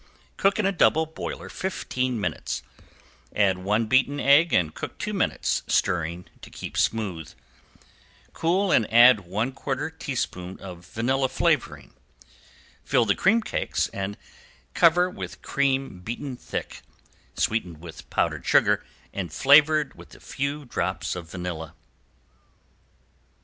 Cook in a double boiler fifteen minutes, add one beaten egg and cook two minutes, stirring to keep smooth. Cool and add one quarter teaspoon of vanilla flavoring. Fill the cream cakes and cover with cream beaten thick, sweetened with powdered sugar and flavored with a few drops of vanilla.